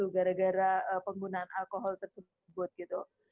gara gara penggunaan alkohol tersebut gitu